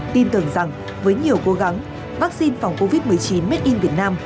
tin tưởng rằng với nhiều cố gắng vaccine phòng covid một mươi chín made in việt nam